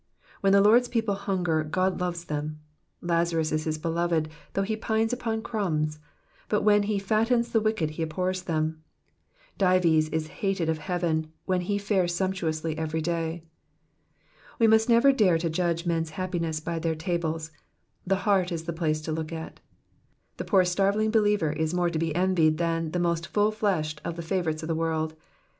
When the Lord's people hunger God loves them ; Lnzarus is his beloved, though he pines upon crumbs ; but when he fattens the wicked he abhors them ; Dives is hated of heaven when he fares sumptuously every day. We must never dnre to judge men^s happiness by their tables, the heart is the place to look at. The poorest starveling believer is more to be envied than the most full fleshed of the favourites of the world.